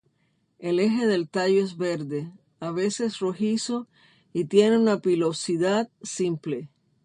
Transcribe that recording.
El eje del tallo es verde, a veces rojizo y tiene una pilosidad simple.